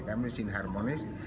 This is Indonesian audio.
kami disini harmonis